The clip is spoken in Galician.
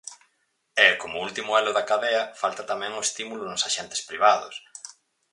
E, como último elo da cadea, falta tamén o estímulo nos axentes privados.